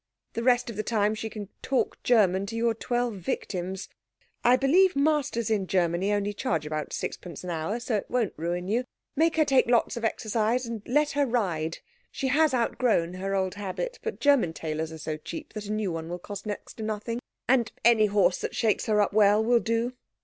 The rest of the time she can talk German to your twelve victims. I believe masters in Germany only charge about 6d. an hour, so it won't ruin you. Make her take lots of exercise, and let her ride. She has outgrown her old habit, but German tailors are so cheap that a new one will cost next to nothing, and any horse that shakes her up well will do.